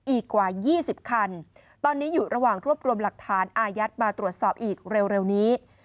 อีกกว่า๒๐คันตอนนี้อยู่ระหว่างรวบรวมหลักฐานอายัดมาตรวจสอบอีกเร็วนี้